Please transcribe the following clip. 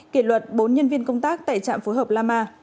kỳ luật bốn nhân viên công tác tại trạm phối hợp lama